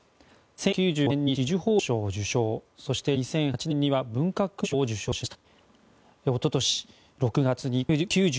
１９９５年に紫綬褒章を受章そして２００８年には文化勲章を受章しました。